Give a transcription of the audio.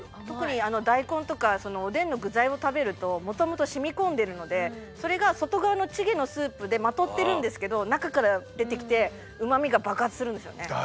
特に大根とかおでんの具材を食べると元々染み込んでるのでそれが外側のチゲのスープでまとってるんですけど中から出てきてうまみが爆発するんですよね。